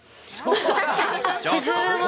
確かに。